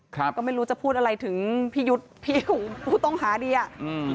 ก็ไม่รู้จะพูดอะไรถึงพี่หยุดผู้ต้องหาดีอ่ะ